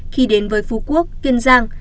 khi đến với phú quốc kiên giang